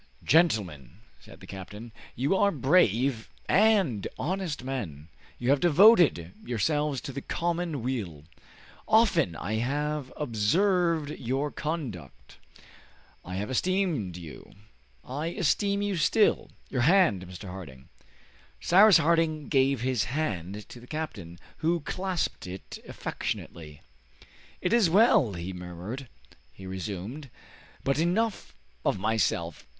"Gentlemen," said the captain, "you are brave and honest men. You have devoted yourselves to the common weal. Often have I observed your conduct. I have esteemed you I esteem you still! Your hand, Mr. Harding." Cyrus Harding gave his hand to the captain, who clasped it affectionately. "It is well!" he murmured. He resumed, "But enough of myself.